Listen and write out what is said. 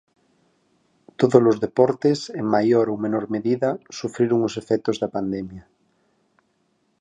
Todos os deportes, en maior ou menos medida, sufriron os efectos da pandemia.